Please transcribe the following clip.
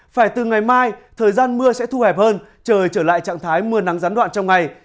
phải từ ngày mai thời gian mưa sẽ thu hẹp hơn trời trở lại trạng thái mưa nắng gián đoạn trong ngày